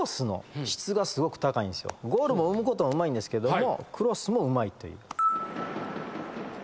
ゴールも生むことうまいんですけどもクロスもうまいという。